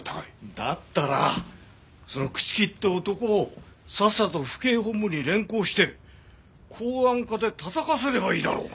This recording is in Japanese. だったらその朽木って男をさっさと府警本部に連行して公安課でたたかせればいいだろうが。